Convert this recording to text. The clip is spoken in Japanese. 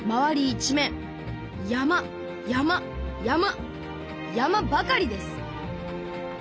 一面山山山山ばかりです